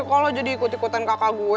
kalau jadi ikut ikutan kakak gue